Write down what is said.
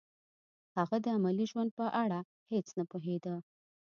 هغه د عملي ژوند په اړه هیڅ نه پوهېده